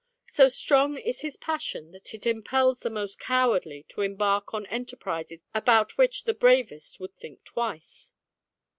So strong is this passion, that it impels the most cowardly to embark on enterprises about which the bravest would think twice."